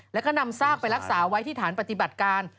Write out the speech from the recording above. แล้วก็นำซากไปรักษาไว้ที่ฐานปฏิบัติการ